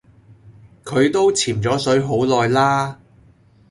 佢都潛左水好耐啦